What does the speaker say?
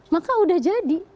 maka udah jadi